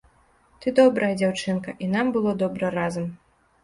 Ты добрая дзяўчынка, і нам было добра разам.